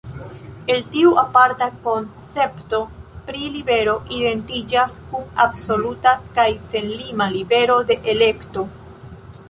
El tiu aparta koncepto pri libero identiĝas kun absoluta kaj senlima “libero de elekto”.